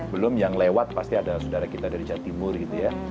belum yang lewat pasti ada saudara kita dari jawa timur gitu ya